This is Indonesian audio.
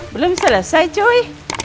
belum selesai cuy